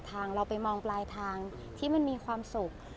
ถ้าเราคิดว่าเราจะทำความดี